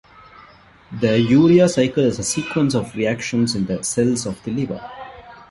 The urea cycle is a sequence of reactions in the cells of the liver.